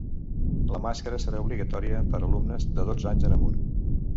La màscara serà obligatòria per a alumnes de dotze anys en amunt.